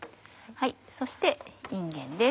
そしていんげんです。